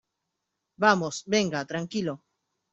vamos. venga . tranquilo .